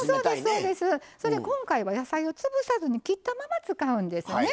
今回は野菜を潰さずに切ったまま使うんですね。